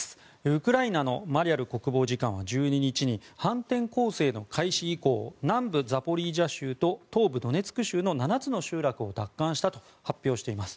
ウクライナのマリャル国防次官は１２日に反転攻勢の開始以降南部ザポリージャ州と東部ドネツク州の７つの集落を奪還したと発表しています。